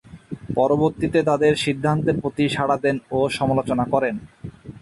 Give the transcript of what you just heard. পরবর্তীতে তাদের সিদ্ধান্তের প্রতি সাড়া দেন ও সমালোচনা করেন।